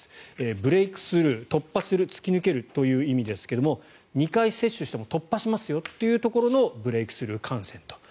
ブレークスルー、突破する突き抜けるという意味ですが２回接種しても突破しますよというところのブレークスルー感染。